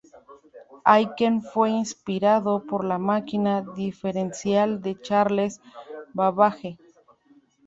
Aiken fue inspirado por la Máquina Diferencial de Charles Babbage.